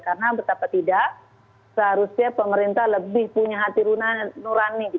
karena betapa tidak seharusnya pemerintah lebih punya hati runa nurani